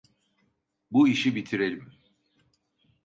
Bu işi bitirelim.